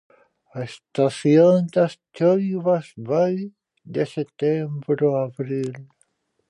A estación das choivas vai de setembro a abril.